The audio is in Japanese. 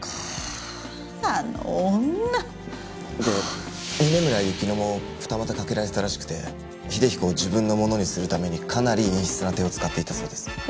あの女！で峰村雪乃も二股かけられてたらしくて英彦を自分のものにするためにかなり陰湿な手を使っていたそうです。